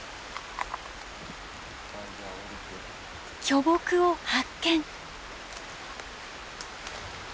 巨木を発見！